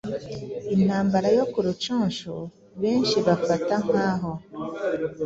Intambara yo ku Rucunshu ,benshi bafata nk’aho